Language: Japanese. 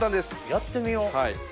やってみよう。